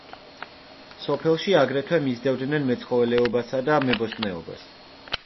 სოფელში აგრეთვე მისდევდნენ მეცხოველეობასა და მებოსტნეობას.